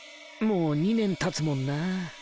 もう２年たつもんな。